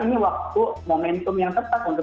ini waktu momentum yang tepat untuk